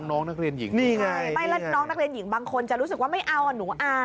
น้องนักเรียนหญิงบางคนจะรู้สึกว่าไม่เอาหนูอาย